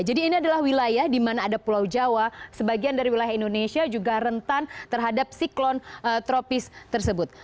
jadi ini adalah wilayah di mana ada pulau jawa sebagian dari wilayah indonesia juga rentan terhadap siklon tropis tersebut